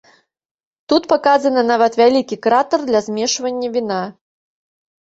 Тут паказаны нават вялікі кратар для змешвання віна.